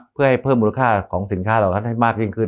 เพื่อให้เพิ่มมูลค่าของสินค้าเรามักยิ่งขึ้น